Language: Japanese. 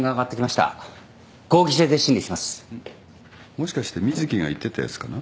もしかして瑞希が言ってたやつかな。